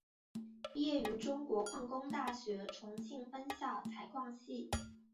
毕业于中国矿业大学重庆分校采矿系。